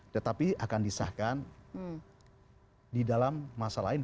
tetapi akan disahkan di dalam masa lain